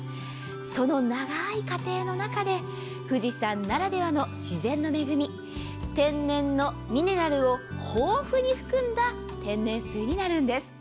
その長い過程の中で富士山ならではの自然の恵み、天然のミネラルを豊富に含んだ天然水になるんです。